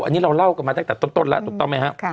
อันนี้เราเล่าแล้วกันมาตั้งแต่ต้นแล้ว